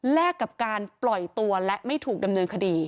แลกกับการปล่อยตัวและไม่ถูกดำเนินคดี